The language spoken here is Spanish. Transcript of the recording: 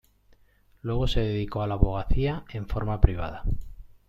Luego se dedicó a la abogacía en forma privada.